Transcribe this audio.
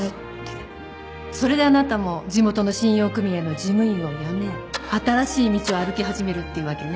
それであなたも地元の信用組合の事務員を辞め新しい道を歩き始めるっていうわけね。